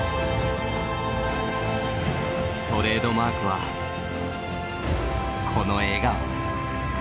トレードマークはこの笑顔。